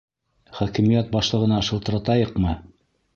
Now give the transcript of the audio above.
Хакимиәт башлығына шылтыратайыҡмы?